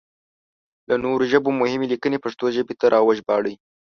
له نورو ژبو مهمې ليکنې پښتو ژبې ته راوژباړئ!